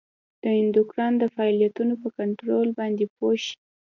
د اندوکراین د فعالیتونو په کنترول باندې پوه شئ.